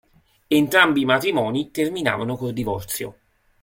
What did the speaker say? Entrambi i matrimoni terminarono col divorzio.